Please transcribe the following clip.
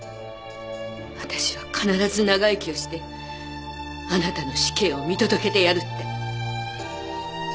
私は必ず長生きをしてあなたの死刑を見届けてやるって。